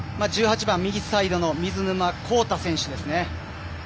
１８番、右サイドの水沼宏太選手ですね。